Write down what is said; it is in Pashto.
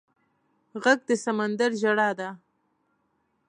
غږ د سمندر ژړا ده